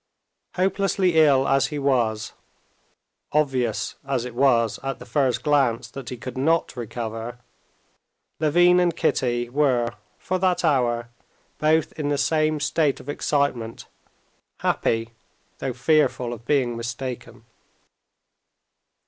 Hopelessly ill as he was, obvious as it was at the first glance that he could not recover, Levin and Kitty were for that hour both in the same state of excitement, happy, though fearful of being mistaken.